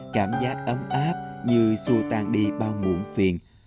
cảm giác ấm áp như xua tan đi bao muộn phiền